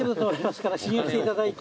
信用していただいて。